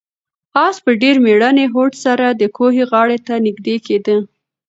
آس په ډېر مېړني هوډ سره د کوهي غاړې ته نږدې کېده.